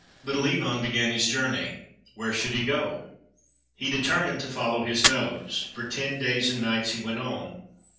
Little Ivan began his journey. Where should he go? He determined to follow his nose. For ten days and nights he went on.